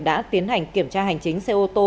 đã tiến hành kiểm tra hành chính xe ô tô